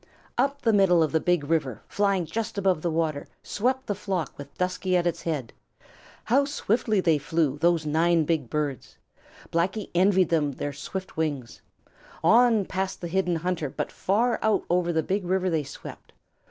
Up the middle of the Big River, flying just above the water, swept the flock with Dusky at its head. How swiftly they flew, those nine big birds! Blacky envied them their swift wings. On past the hidden hunter but far out over the Big River they swept.